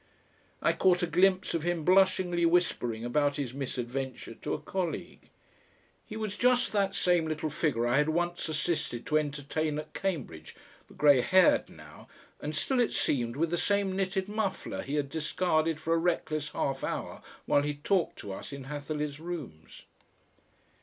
I caught a glimpse of him blushingly whispering about his misadventure to a colleague. He was just that same little figure I had once assisted to entertain at Cambridge, but grey haired now, and still it seemed with the same knitted muffler he had discarded for a reckless half hour while he talked to us in Hatherleigh's rooms.